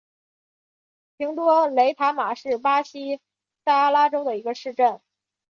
平多雷塔马是巴西塞阿拉州的一个市镇。